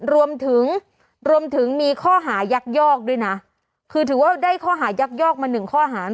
รวมถึงรวมถึงมีข้อหายักยอกด้วยนะคือถือว่าได้ข้อหายักยอกมาหนึ่งข้อหา